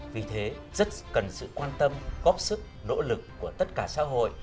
vì thế rất cần sự quan tâm góp sức nỗ lực của tất cả xã hội